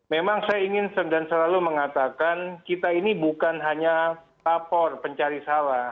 memang saya ingin dan selalu mengatakan kita ini bukan hanya lapor pencari salah